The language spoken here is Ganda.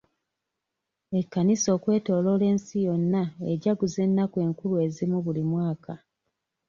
Ekkanisa okwetooloola ensi yonna ejaguza ennaku enkulu ezimu buli mwaka.